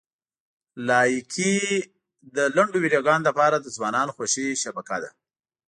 لایکي د لنډو ویډیوګانو لپاره د ځوانانو خوښې شبکه ده.